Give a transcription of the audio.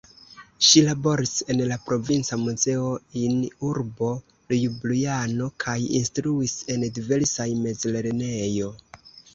Ŝi laboris en la provinca muzeo in urbo Ljubljano kaj instruis en diversaj mezlernejo.